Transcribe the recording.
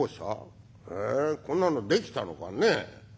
へえこんなのできたのかねえ。